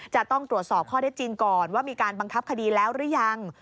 จะต้องตรวจสอบข้อได้จริงก่อนว่ามีการบังคับคดีแล้วหรือยัง